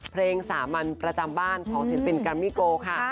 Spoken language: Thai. เพลงสามัญประจำบ้านของศิลปินแกรมมี่โกค่ะ